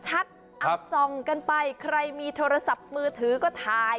ส่องกันไปใครมีโทรศัพท์มือถือก็ถ่าย